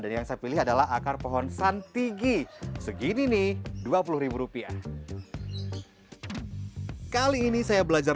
dan yang saya pilih adalah akar pohon santigi segini nih dua puluh rupiah kali ini saya belajar